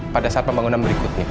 pada saat pembangunan berikutnya